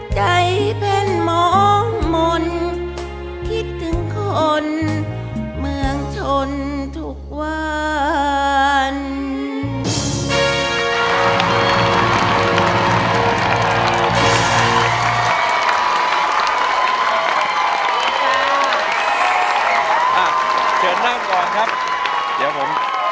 ใจเป็นหมอมนคิดถึงคนเมืองชนทุกวัน